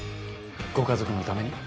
ご家族のために